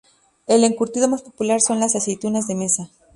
El encurtido más popular son las aceitunas de mesa.